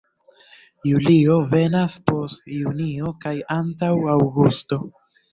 Julio venas post junio kaj antaŭ aŭgusto.